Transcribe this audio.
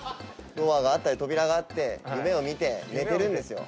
ドアがあったり扉があって夢を見て寝てるんですよ。